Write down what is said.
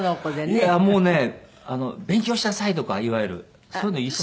いやもうね勉強しなさいとかいわゆるそういうの一切。